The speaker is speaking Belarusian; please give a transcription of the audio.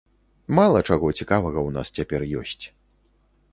Мала чаго цікавага ў нас цяпер ёсць.